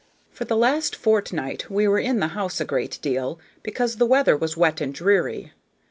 For the last fortnight we were in the house a good deal, because the weather was wet and dreary.